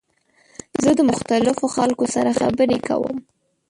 زه د مختلفو خلکو سره خبرې نه کوم.